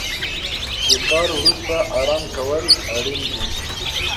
د کار وروسته ارام کول اړین دي.